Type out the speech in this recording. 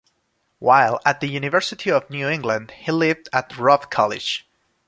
While at the University of New England he lived at Robb College.